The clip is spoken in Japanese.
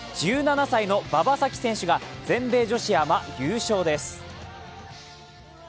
１７歳の馬場咲希選手が全米女子アマ優勝です。